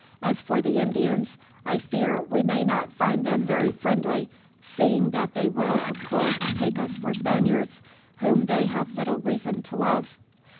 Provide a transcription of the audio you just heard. As for the Indians, I fear we may not find them very friendly, seeing that they will, of course, take us for Spaniards, whom they have little reason to love.